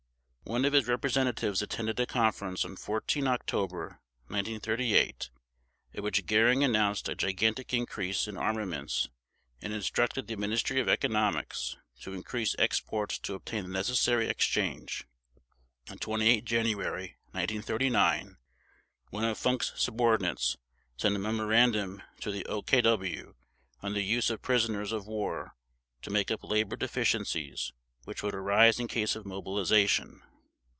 One of his representatives attended a conference on 14 October 1938, at which Göring announced a gigantic increase in armaments and instructed the Ministry of Economics to increase exports to obtain the necessary exchange. On 28 January 1939 one of Funk's subordinates sent a memorandum to the OKW on the use of prisoners of war to make up labor deficiencies which would arise in case of mobilization.